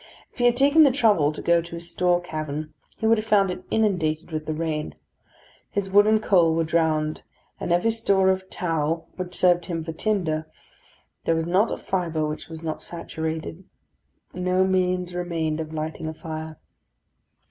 If he had taken the trouble to go to his store cavern, he would have found it inundated with the rain. His wood and coal were drowned, and of his store of tow, which served him for tinder, there was not a fibre which was not saturated. No means remained of lighting a fire.